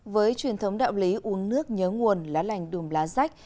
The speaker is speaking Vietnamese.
với truyền thống đạo lý uống nước nhớ nguồn lá lành đùm lá rách